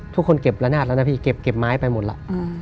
ทุกคนเก็บละนาดแล้วนะพี่เก็บไม้ไปหมดแล้ว